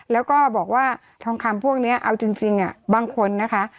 แล้วก็บอกว่าทองคำพวกนี้เอาจริงบางคนนะคะ